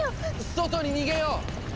⁉外に逃げよう！